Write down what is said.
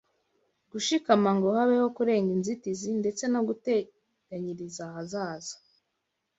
gushikama ngo habeho kurenga inzitizi ndetse no guteganyiriza ahazaza